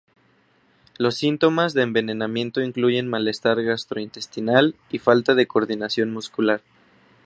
Los síntomas de envenenamiento incluyen malestar gastrointestinal y falta de coordinación muscular.